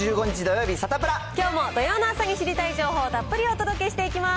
きょうも土曜の朝に知りたい情報をたっぷりお届けしていきます。